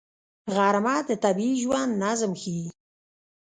غرمه د طبیعي ژوند نظم ښيي